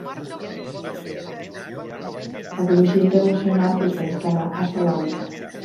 La comissió internacional es va instal·lar a Salònica.